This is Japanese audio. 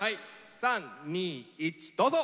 ３２１どうぞ！